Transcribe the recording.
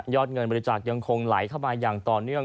เงินบริจาคยังคงไหลเข้ามาอย่างต่อเนื่อง